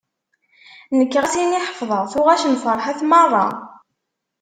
Nekk ɣas ini ḥefḍeɣ tuɣac n Ferḥat merra.